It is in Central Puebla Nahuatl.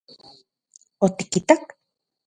¿Otikitak...?